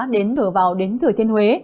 đến thừa vào đến thừa thiên huế